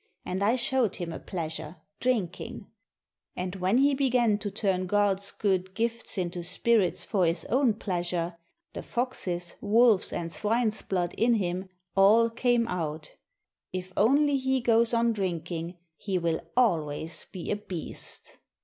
And I showed him a pleasure — drinking ! And when he began to turn God's good gifts into spirits for his own pleasure, — the fox's, wolf's, and swine's blood in him all came out. If only he goes on drinking, he will always be a beast!"